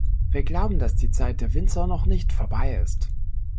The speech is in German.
Wir glauben, dass die Zeit der Winzer noch nicht vorbei ist.